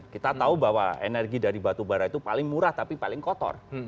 kita tahu bahwa energi dari batubara itu paling murah tapi paling kotor